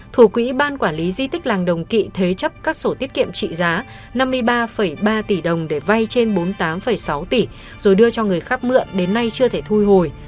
thủ quỹ ban quản lý di tích làng đồng kỵ thế chấp các sổ tiết kiệm trị giá năm mươi ba ba tỷ đồng để vay trên bốn mươi tám sáu tỷ rồi đưa cho người khác mượn đến nay chưa thể thu hồi